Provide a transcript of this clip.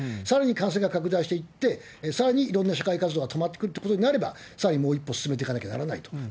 さらに、感染が拡大していって、さらにいろんな社会活動が止まってくるということになれば、さらにもう一歩進めていかなければならないと。